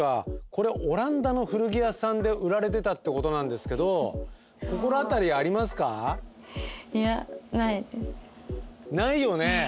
これオランダの古着屋さんで売られてたってことなんですけどないよね。